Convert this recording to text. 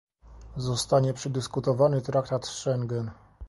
Zostanie przedyskutowany traktat z Schengen